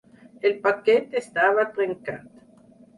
El paquet estava trencat.